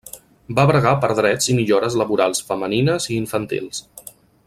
Va bregar per drets i millores laborals femenines i infantils.